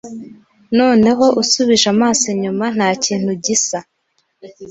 Noneho usubije amaso inyuma ntakintu gisa